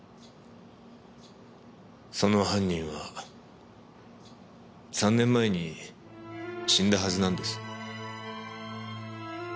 その犯人は３年前に死んだはずなんです。